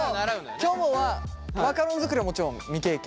きょもはマカロン作りはもちろん未経験。